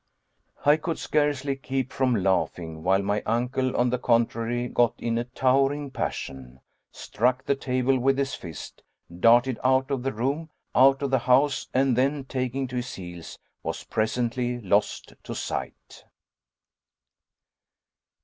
I could scarcely keep from laughing, while my uncle, on the contrary, got in a towering passion, struck the table with his fist, darted out of the room, out of the house, and then taking to his heels was presently lost to sight.